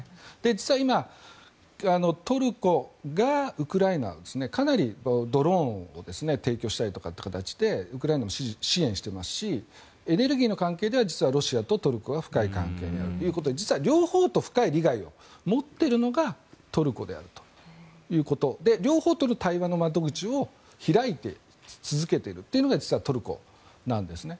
実は今、トルコがウクライナにかなりドローンを提供したりとかという形でウクライナを支援していますしエネルギーの関係では実はロシアとトルコが深い関係にあるということで実は両方と深い利害を持っているのがトルコであるということで両方との対話の窓口を開き続けているというのが実はトルコなんですね。